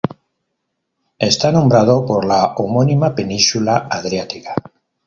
Está nombrado por la homónima península adriática.